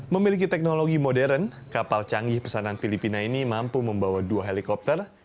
memiliki teknologi modern kapal canggih pesanan filipina ini mampu membawa dua helikopter